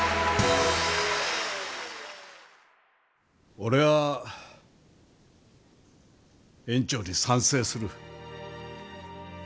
俺は園長に賛成する。